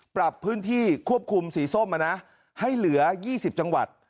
ปรับพื้นที่ควบคุมสีส้มให้เหลือ๒๐จังหวัด